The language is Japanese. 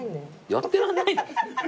やってらんない。